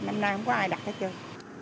năm nay không có ai đặt hết trơn